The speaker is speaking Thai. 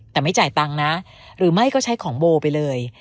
แต่ไม่จ่ายตังค์นะหรือไม่ก็ใช้ของโบไปเลย